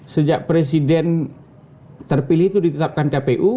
sejak presiden terpilih itu ditetapkan kpu